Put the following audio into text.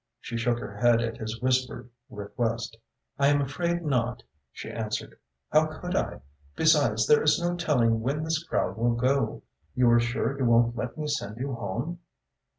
She shook her head at his whispered request. "I am afraid not," she answered. "How could I? Besides, there is no telling when this crowd will go. You are sure you won't let me send you home?"